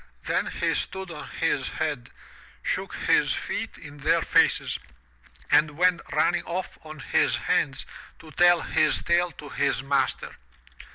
Then he stood on his head, shook his feet in their faces, and went running off on his hands to tell his tale to his master.